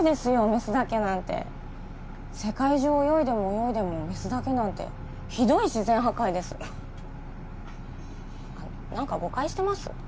メスだけなんて世界中泳いでも泳いでもメスだけなんてひどい自然破壊です何か誤解してます？